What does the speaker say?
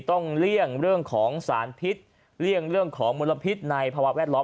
เลี่ยงเรื่องของสารพิษเลี่ยงเรื่องของมลพิษในภาวะแวดล้อม